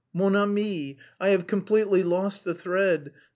"Mon ami! I have completely lost the thread...